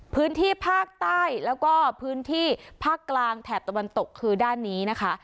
พื้นที่ภาคใต้แล้วก็พื้นที่ภาคกลางแถบตะวันตกคือด้านนี้นะคะ